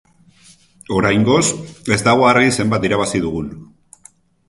Oraingoz ez dago argi zenbat irabazi dugun.